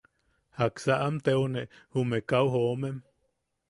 ¿Jaksa am teune jume kau jomem?